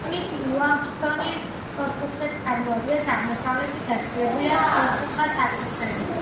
გეგმით უაბსიდო სწორკუთხედს წარმოადგენს, აღმოსავლეთით დასრულებულია სწორკუთხა საკურთხევლით.